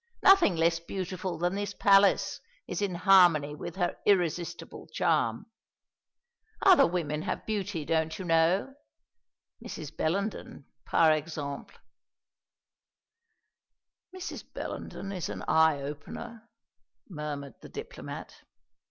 Nothing less beautiful than this palace is in harmony with her irresistible charm. Other women have beauty, don't you know; Mrs. Bellenden, par exemple." "Mrs. Bellenden is an eye opener," murmured the diplomat.